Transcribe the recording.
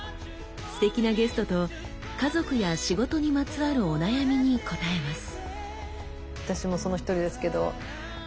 すてきなゲストと家族や仕事にまつわるお悩みに答えます。